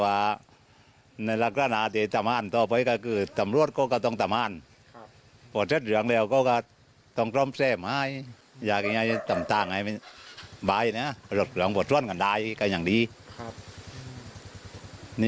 ใบลดใหลังประตุนทางกันได้กันอย่างดี